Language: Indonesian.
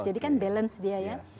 jadi kan balance dia ya